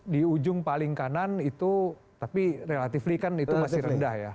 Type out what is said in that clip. di ujung paling kanan itu tapi relatively kan itu masih rendah ya